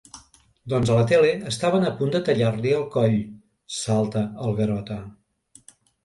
Doncs a la tele estaven a punt de tallar-li el coll —salta el Garota.